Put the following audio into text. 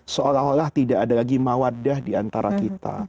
seolah olah tidak ada lagi mawadah diantara kita